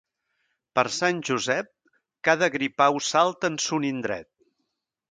Per Sant Josep cada gripau salta en son indret.